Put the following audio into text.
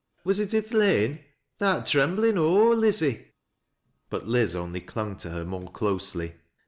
" Wai it j' til' lane ? Tha art tremblin' aw o'er, Lizzie." But Liz only clung to her more closely.